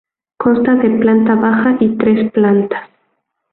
Consta de planta baja y tres plantas.